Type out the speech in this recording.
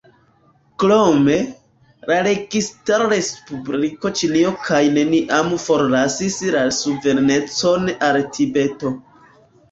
Krome, la registaro Respubliko Ĉinio kaj neniam forlasis la suverenecon al Tibeto.